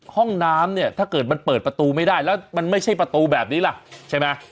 ห้องน้ำเนี่ยถ้าเกิดมันเปิดประตูไม่ได้แล้วมันไม่ใช่ประตูแบบนี้ล่ะใช่ไหม